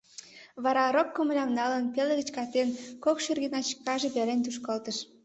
Вара, рок комлям налын, пелыгыч катен, кок шӱргӧ начкаже пелен тушкалтыш.